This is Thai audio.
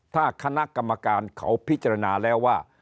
ถ้าคณะกรรมการเขาพิจารณาแล้วว่า